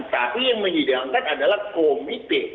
tapi yang menyidangkan adalah komite